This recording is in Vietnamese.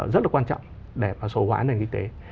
rất là quan trọng để phá sổ hỏa nền kinh tế